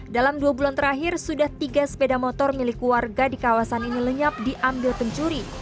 dalam dua bulan terakhir sudah tiga sepeda motor milik warga di kawasan ini lenyap diambil pencuri